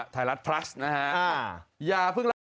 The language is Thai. ไทยรัฐพลัสนะฮะอ่าอย่าเพิ่งรับ